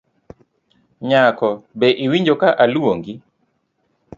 Nyako be iwinjo ka aluongi.